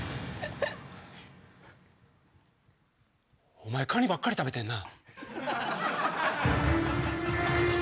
お前カニばっかり食べてんな。